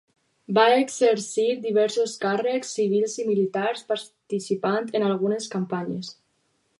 Va exercir diversos càrrecs civils i militars participant en algunes campanyes.